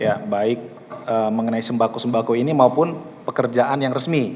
ya baik mengenai sembako sembako ini maupun pekerjaan yang resmi